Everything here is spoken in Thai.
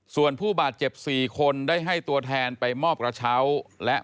ส่วนผู้บาดเจ็บ๔คนได้ให้ตัวแทนไปมอบกระเช้าและ